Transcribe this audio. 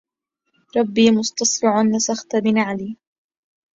رب مستصفعٍ نسخت بنعلي